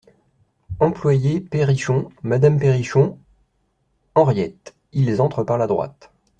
Employé, Perrichon, Madame Perrichon, Henriette Ils entrent par la droite.